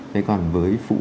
thế còn với phụ huynh